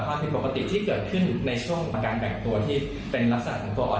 ความผิดปกติที่เกิดขึ้นในช่วงของการแต่งตัวที่เป็นลักษณะของตัวอ่อน